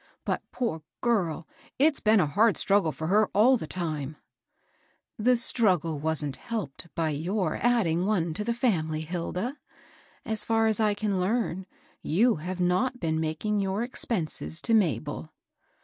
But, poor girl I it's been a hard strug gle for her all the time." 248 MABEL ROSS. The struggle wasn't helped by your adding one to the family, Hilda. So far as I can learn, yon have not been making your expenses to Ma bel."